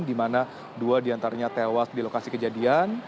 di mana dua di antaranya tewas di lokasi kejadian